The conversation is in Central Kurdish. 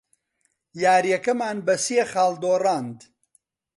یارییەکەمان بە سێ خاڵ دۆڕاند.